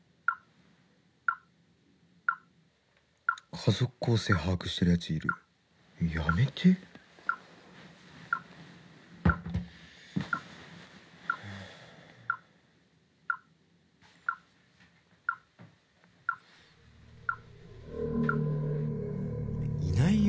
「家族構成把握してるやついるやめて」いないよ？